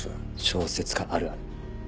小説家あるある？